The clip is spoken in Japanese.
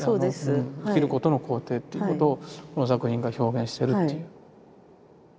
生きることの肯定っていうことをこの作品が表現してるっていう。